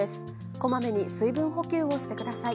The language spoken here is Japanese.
こまめに水分補給をしてください。